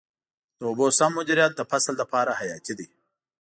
د اوبو سم مدیریت د فصل لپاره حیاتي دی.